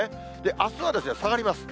あすは下がります。